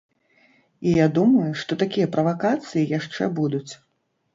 І я думаю, што такія правакацыі яшчэ будуць.